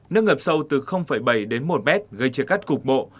nước ngập sâu từ bảy đến một mét gây chia cắt cục bộ